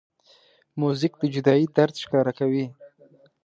موزیک د جدایۍ درد ښکاره کوي.